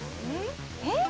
えっ？